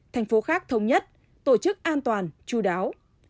thành phố khác thống nhất tổ chức an toàn chú đáo